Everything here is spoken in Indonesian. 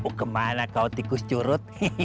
oh kemana kau tikus curut